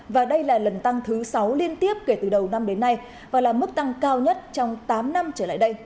và đây là lần tăng thứ sáu liên tiếp kể từ đầu năm đến nay và là mức tăng cao nhất trong tám năm trở lại đây